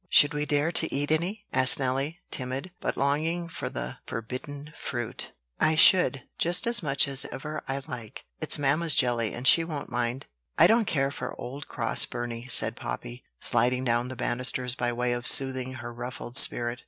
"Should we dare to eat any?" asked Nelly, timid, but longing for the forbidden fruit. "I should; just as much as ever I like. It's mamma's jelly, and she won't mind. I don't care for old cross Burney," said Poppy, sliding down the banisters by way of soothing her ruffled spirit.